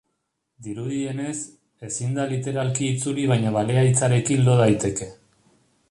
Dirudienez, ezin da literalki itzuli baina balea hitzarekin lo daiteke.